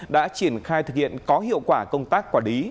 đã triển khai thực hiện có hiệu quả công tác quả đí